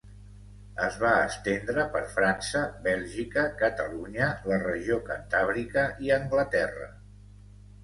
Es va estendre per França, Bèlgica, Catalunya, la regió cantàbrica i Anglaterra.